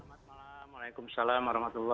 selamat malam waalaikumsalam